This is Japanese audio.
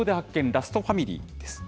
ラストファミリーです。